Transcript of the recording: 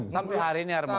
sampai hari ini harmonis